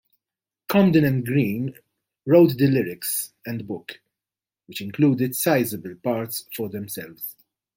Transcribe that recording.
Comden and Green wrote the lyrics and book, which included sizeable parts for themselves.